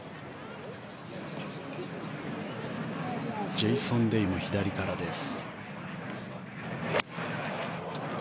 ジェイソン・デイも左からです。